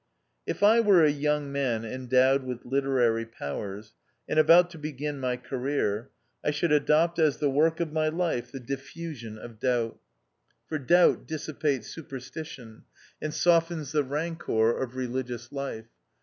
If I were a young man endowed with literary powers, and about to begin my career, I should adopt as the work of my life the Diffusion of Doubt ; for doubt dis sipates superstition, and softens the rancour THE OUTCAST. 255 of religious life.